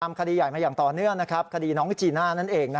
คดีใหญ่มาอย่างต่อเนื่องคดีน้องจีน่านั่นเอง